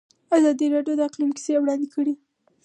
ازادي راډیو د اقلیم کیسې وړاندې کړي.